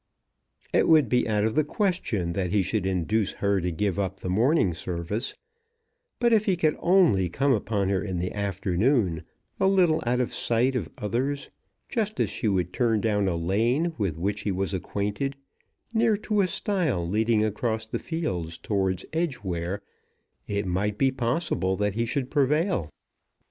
It would be out of the question that he should induce her to give up the morning service; but if he could only come upon her in the afternoon, a little out of sight of others, just as she would turn down a lane with which he was acquainted, near to a stile leading across the fields towards Edgeware, it might be possible that he should prevail.